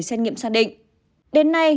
xét nghiệm xác định đến nay